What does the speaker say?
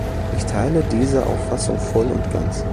Ich teile diese Auffassung voll und ganz.